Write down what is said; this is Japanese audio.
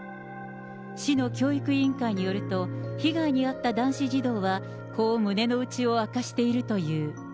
市の教育委員会によると、被害に遭った男子児童は、こう胸の内を明かしているという。